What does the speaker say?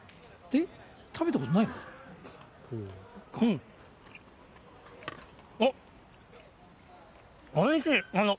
食べたことないの？